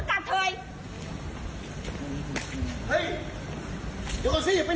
ตำรวจส่วนลูกค้า